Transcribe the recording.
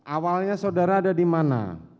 awalnya saudara ada dimana